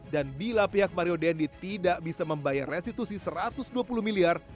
dan bila pihak mario dendi tidak bisa membayar restitusi satu ratus dua puluh miliar